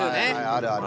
あるある。